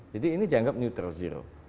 jadi ini dianggap neutral zero